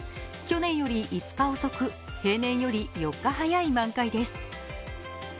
去年より５日遅く、平年より４日早い満開です。